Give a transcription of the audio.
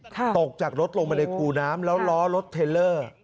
ตกจากรถลงมาในคูน้ำแล้วล้อรถเทลเลอร์